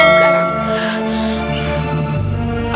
saya ikut bapak